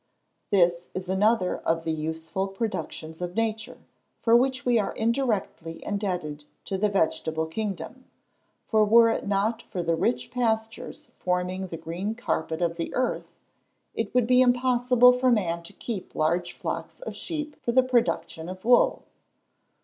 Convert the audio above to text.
This is another of the useful productions of nature, for which we are indirectly indebted to the vegetable kingdom; for were it not for the rich pastures forming the green carpet of the earth, it would be impossible for man to keep large flocks of sheep for the production of wool.